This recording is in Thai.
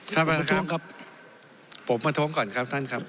ท่านประธานครับผมประท้วงก่อนครับท่านครับ